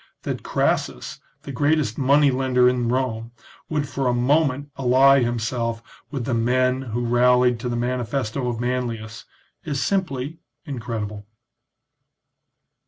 That Crassus, the greatest money lender in Rome, would for a moment ally himself with the men who rallied to the manifesto of Manlius is simply incredible.